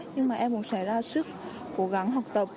nhưng em vẫn cố gắng học tập